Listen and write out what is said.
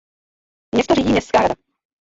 Město řídí městská rada.